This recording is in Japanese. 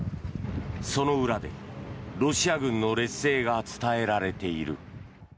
その裏でロシア軍の劣勢が伝えられている。